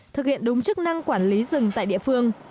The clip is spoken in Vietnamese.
thực hiện đúng chức năng quản lý rừng tại địa phương